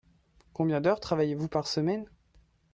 Combien d'heures travaillez-vous par semaine ?